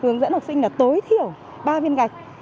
hướng dẫn học sinh là tối thiểu ba viên gạch